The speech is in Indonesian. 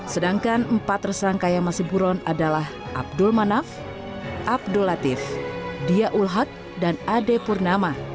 sedangkan empat tersangka yang masih buron adalah abdul manaf abdul latif dia ulhak dan ade purnama